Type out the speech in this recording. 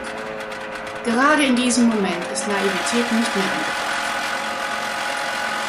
Gerade in diesem Moment ist Naivität nicht mehr angebracht.